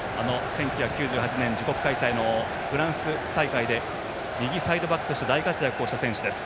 １９９８年、自国開催のフランス大会で右サイドバックとして大活躍した選手です。